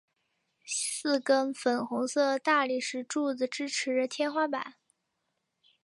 四根粉红色大理石柱子支持着天花板。